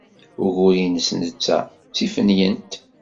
Ugur-nnes netta d tiffenyent.